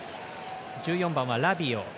１４番はラビオ。